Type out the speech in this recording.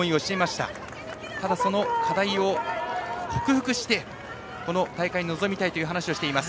ただ、その課題を克服してこの大会に臨みたいと話をしています。